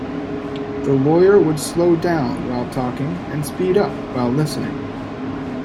The lawyer would slow down while talking and speed up while listening.